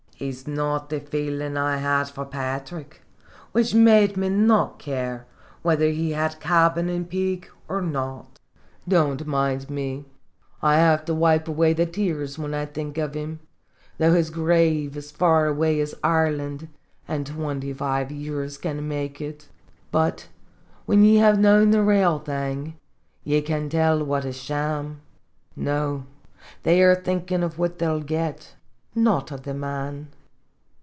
It's not the feelin' I had for Patrick, which made me not care whether he had cabin an' pig, or not. Don't mind me, I have to wipe away the tears when I think of him, though his grave is far away as Ireland an' twenty five years can make it. But whin ye have known the rale thing, ye can tell what is sham. No, they are thinkin' of what they '11 git, not of the man.